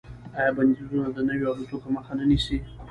آیا بندیزونه د نویو الوتکو مخه نه نیسي؟